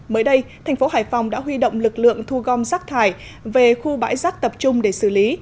mới đây thành phố hải phòng đã huy động lực lượng thu gom rác thải về khu bãi rác tập trung để xử lý